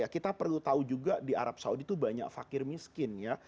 kita perlu tahu juga di arab saudi itu banyak fakir miskin ya